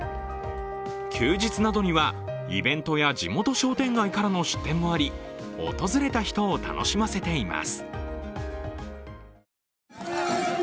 休日などにはイベントや地元商店街からの出店もあり、訪れた人を楽しませています。